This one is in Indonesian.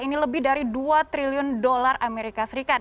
ini lebih dari dua triliun dolar amerika serikat